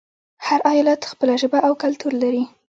هر ایالت خپله ژبه او کلتور لري.